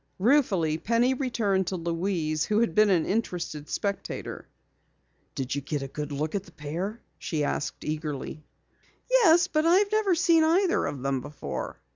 Ruefully Penny returned to Louise who had been an interested spectator. "Did you get a good look at the pair?" she asked eagerly. "Yes, but I've never seen either of them before."